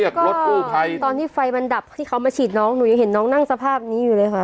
รถกู้ภัยตอนที่ไฟมันดับที่เขามาฉีดน้องหนูยังเห็นน้องนั่งสภาพนี้อยู่เลยค่ะ